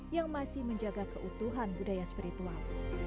yang masih menjaga keutuhan budaya spiritual